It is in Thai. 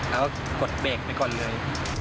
เราก็กดเบรกไปก่อนเลย